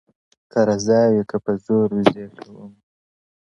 که رضا وي که په زور وي زې کوومه,